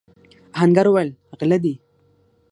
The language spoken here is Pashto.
آهنګر وويل: غله دي!